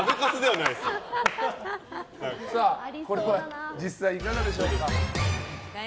これは実際いかがでしょうか。